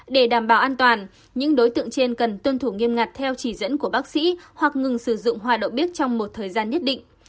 để đảm bảo an toàn những đối tượng trên cần tuân thủ nghiêm ngặt theo chỉ dẫn của bác sĩ hoặc ngừng sử dụng hoa đậu bếp trong một thời gian nhất định